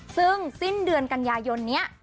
ซึ่งสิ้นเดือนกันยายนนี้